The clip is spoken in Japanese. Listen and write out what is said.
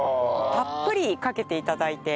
たっぷりかけて頂いて。